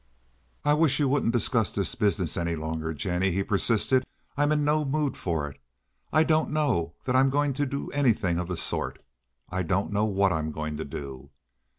"I wish you wouldn't discuss this business any longer, Jennie," he persisted. "I'm in no mood for it. I don't know that I'm going to do anything of the sort. I don't know what I'm going to do."